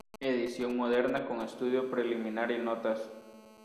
Edición moderna con estudio preliminar y notas.